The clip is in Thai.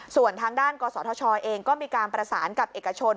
ส่วนทางด้านกศธชเองก็มีการประสานกับเอกชน